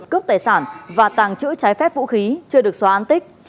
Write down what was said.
cướp tài sản và tàng trữ trái phép vũ khí chưa được xóa an tích